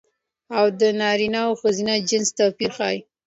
او د نرينه او ښځينه جنس توپير ښيي